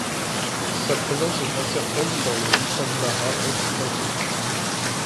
Sa présence est incertaine dans les Usambara occidentaux.